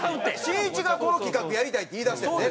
しんいちがこの企画やりたいって言いだしたんやで。